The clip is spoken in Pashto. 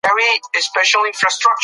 هغه څوک چې صبر لري بریالی کیږي.